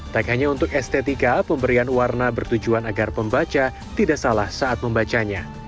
tak hanya untuk estetika pemberian warna bertujuan agar pembaca tidak salah saat membacanya